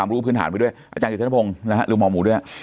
นะครับเจ้าบัตรด้วย